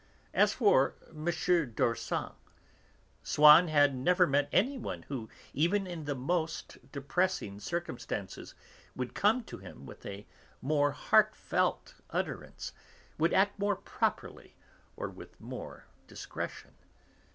As for M. d'Orsan, Swann had never met anyone who, even in the most depressing circumstances, would come to him with a more heartfelt utterance, would act more properly or with more discretion.